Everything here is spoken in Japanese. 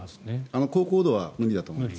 高高度は無理だと思います。